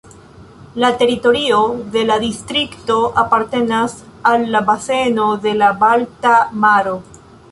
La teritorio de la distrikto apartenas al la baseno de la Balta Maro.